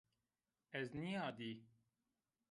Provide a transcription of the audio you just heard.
Ez nîyadî